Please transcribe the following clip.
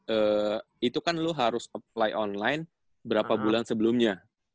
ee itu kan lu harus apply online berapa bulan sebelumnya